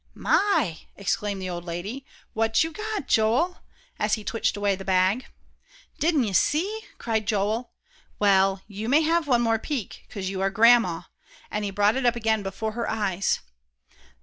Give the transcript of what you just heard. "My!" exclaimed the old lady. "What you got, Joel?" as he twitched away the bag. "Didn't you see?" cried Joel; "well, you may have one more peek, 'cause you are Grandma," and he brought it up again before her eyes.